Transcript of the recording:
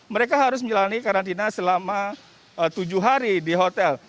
mereka harus menjalani karantina selama tujuh hari di hotel